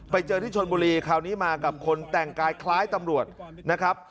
ไปเจอที่ชนบุรีคราวนี้มากับคนแต่งกายคล้ายตำรวจนะครับ